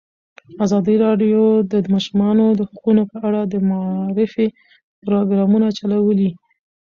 ازادي راډیو د د ماشومانو حقونه په اړه د معارفې پروګرامونه چلولي.